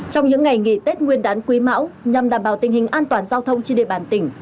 trong những ngày nghỉ tết nguyên đán quý mão nhằm đảm bảo tình hình an toàn giao thông trên địa bàn tỉnh